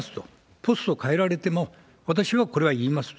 ポスト変えられても、私はこれは言いますと。